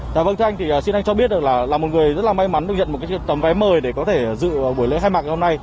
dạ vâng thưa anh thì xin anh cho biết là một người rất là may mắn được nhận một cái tấm vé mời để có thể dự buổi lễ khai mạc ngày hôm nay